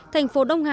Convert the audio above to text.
thành phố đông hà